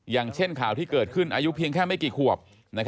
อย่างเช่นข่าวที่เกิดขึ้นอายุเพียงแค่ไม่กี่ขวบ